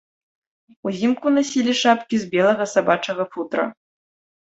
Узімку насілі шапкі з белага сабачага футра.